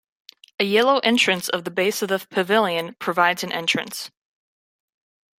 A yellow entrance at the base of the pavilion provides an entrance.